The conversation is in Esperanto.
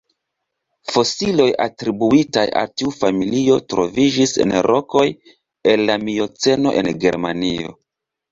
Fosilioj atribuitaj al tiu familio troviĝis en rokoj el la Mioceno en Germanio.